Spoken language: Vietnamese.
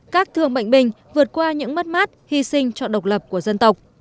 các thương bệnh binh vượt qua những mất mát hy sinh cho độc lập của dân tộc